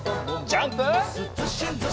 ジャンプ！